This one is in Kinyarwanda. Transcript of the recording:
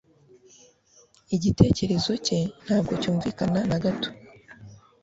Igitekerezo cye ntabwo cyumvikana na gato.